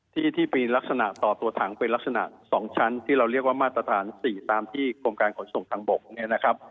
ที่มีลักษณะต่อตัวถังเป็นลักษณะ๒ชั้นที่เราเรียกว่ามาตรฐาน๔ตามที่กรมการขนส่งทางบกเนี่ยนะครับ